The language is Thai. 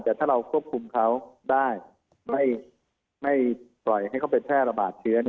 แต่ถ้าเราควบคุมเขาได้ไม่ปล่อยให้เขาไปแพร่ระบาดเชื้อ